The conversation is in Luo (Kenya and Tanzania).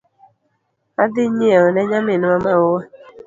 Adhi yieo ne nyaminwa maua